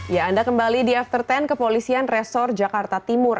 ya anda kembali di after sepuluh kepolisian resor jakarta timur